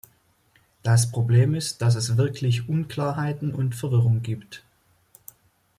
Das Problem ist, dass es wirklich Unklarheiten und Verwirrung gibt.